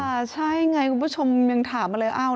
ใช่ไงคุณผู้ชมยังถามมาเลย